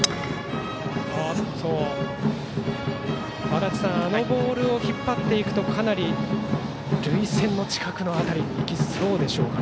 足達さん、あのボールを引っ張っていくとかなり塁線の近くの辺りに行きそうでしょうか。